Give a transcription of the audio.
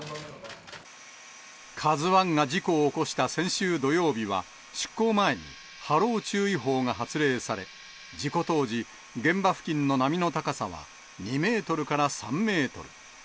カズワンが事故を起こした先週土曜日は、出航前に波浪注意報が発令され、事故当時、現場付近の波の高さは２メートルから３メートル。